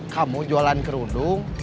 kamu jualan kerudung